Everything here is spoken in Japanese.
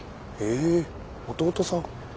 え弟さん。